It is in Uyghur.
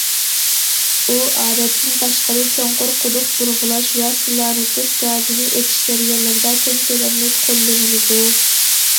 ئۇ، ئادەتتىن تاشقىرى چوڭقۇر قۇدۇق بۇرغىلاش ۋە سىلانېتس گازىنى ئېچىش جەريانلىرىدا كەڭ كۆلەمدە قوللىنىلىدۇ.